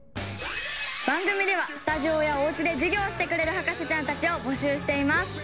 番組ではスタジオやおうちで授業してくれる博士ちゃんたちを募集しています。